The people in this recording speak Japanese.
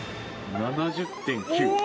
７０．９。